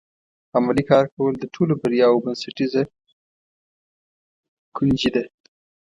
عملي کار کول د ټولو بریاوو بنسټیزه کنجي ده.